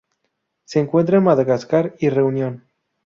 Se encuentra en Madagascar y Reunión.